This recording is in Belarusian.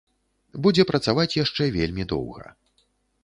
Будзе працаваць яшчэ вельмі доўга.